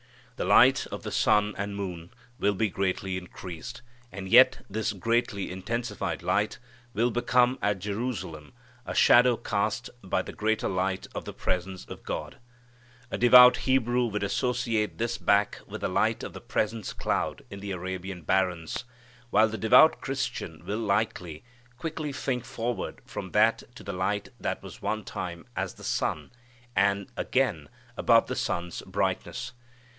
The light of the sun and moon will be greatly increased, and yet this greatly intensified light will become at Jerusalem a shadow cast by the greater light of the presence of God. A devout Hebrew would associate this back with the light of the Presence cloud in the Arabian barrens. While the devout Christian will likely, quickly think forward from that to the light that was one time as the sun, and, again, above the sun's brightness.